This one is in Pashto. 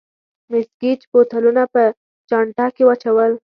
مېس ګېج بوتلونه په چانټه کې واچول.